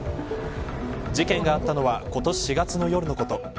事件があったのは今年４月の夜のこと。